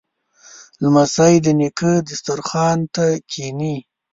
لمسی د نیکه دسترخوان ته کیني.